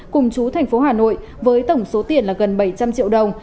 cùng chú thành phố hà nội với tổng số tiền là gần bảy trăm linh triệu đồng